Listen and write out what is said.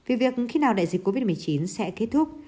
vì việc khi nào đại dịch covid một mươi chín sẽ kết thúc